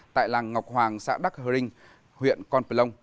tại làng ngọc hoàng xã đắc hơ rinh huyện con p lông